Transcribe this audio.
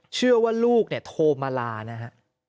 เชื่อว่าลูกโทรมาลานะครับ